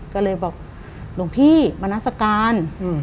ก็เลยบอกหลวงพี่บรรณสการ